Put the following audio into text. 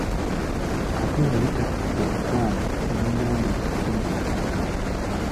Kato yayita emikwano n'enganda gijje mu maka ge.